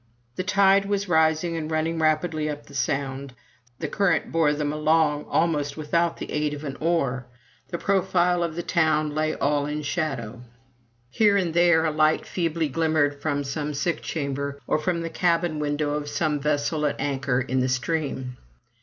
The tide was rising and running rapidly up the Sound. The current bore them along, almost without the aid of an oar. The profile of the town lay all in shadow. Here and there 141 MY BOOK HOUSE a light feebly glimmered from some sick chamber, or from the cabin window of some vessel at anchor in the stream.